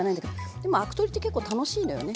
でもアク取りって結構楽しいのよね。